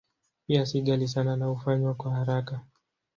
Pia si ghali sana na hufanywa kwa haraka.